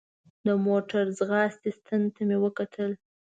د موټر د ځغاستې ستن ته مې وکتل.